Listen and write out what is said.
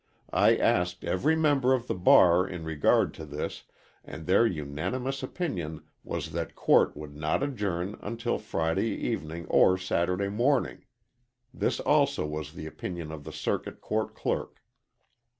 I asked every member of the bar in regard to this and their unanimous opinion was that court would not adjourn until Friday evening or Saturday morning. This also was the opinion of the circuit court clerk.